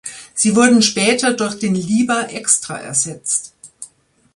Sie wurden später durch den Liber Extra ersetzt.